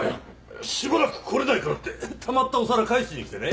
しばらく来れないからってたまったお皿返しに来てね。